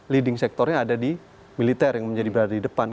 leading sectornya ada di militer yang menjadi berada di depan